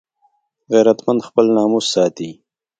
غیرتمند خپل ناموس ساتي